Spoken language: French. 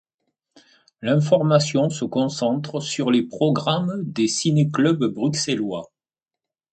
L'information se concentre sur les programmes des ciné-clubs bruxellois.